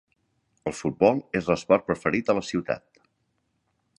El futbol es l'esport preferit a la ciutat.